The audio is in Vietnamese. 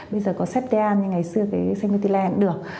bây giờ có xép đe an nhưng ngày xưa cái xanh mê ti len cũng được